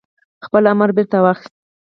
خپل امر بيرته واخيست